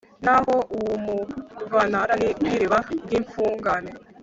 naho uw'umuvantara ni nk'iriba ry'imfungane